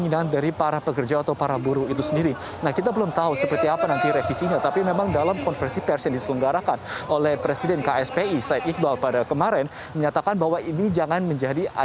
yang tadi didampingi oleh sekjen